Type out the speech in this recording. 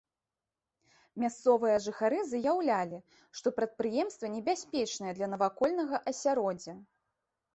Мясцовыя жыхары заяўлялі, што прадпрыемства небяспечнае для навакольнага асяроддзя.